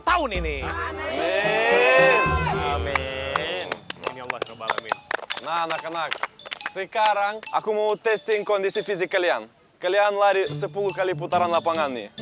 tahun ini anak anak sekarang aku mau testing kondisi fisik kalian kalian lari sepuluh kali putaran lapangan nih